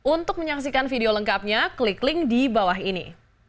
untuk menyaksikan video lengkapnya klik link di bawah ini